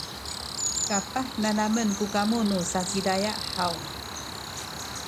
kapah nanamen ku kamu nu Sakizaya haw?